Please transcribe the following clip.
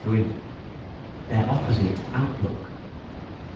[Sidenote: Their opposite outlook.